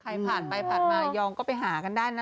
ใครผ่านไปผ่านมาระยองก็ไปหากันได้นะ